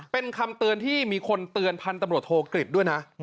เป็นคำเตือนที่มีคนเตือนพันธุ์ตำรวจโทกฤษด้วยนะ